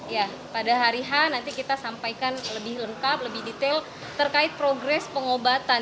ya pada hari h nanti kita sampaikan lebih lengkap lebih detail terkait progres pengobatan